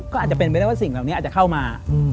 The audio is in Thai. ก็อาจจะเป็นไปได้ว่าสิ่งเหล่านี้อาจจะเข้ามา